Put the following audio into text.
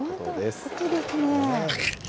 本当、大きいですね。